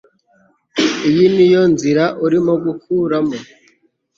Iyi ni yo nzira urimo gukuramo